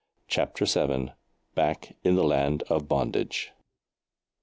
CHAPTER VII. BACK IN THE LAND OF BONDAGE.